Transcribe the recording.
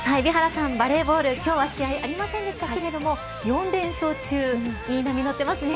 バレーボール今日は試合ありませんでしたが４連勝中、いい波乗ってますね。